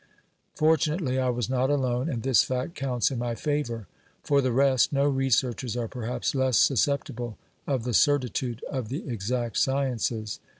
Fortunately I was not alone, and this fact counts in my favour. For the rest, no researches are perhaps less susceptible of the certitude of the exact sciences.